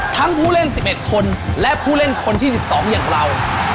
ผู้เล่น๑๑คนและผู้เล่นคนที่๑๒อย่างเรา